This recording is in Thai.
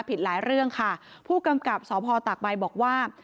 ผิดหลายเรื่องค่ะผู้กำกับสพตากใบบอกว่า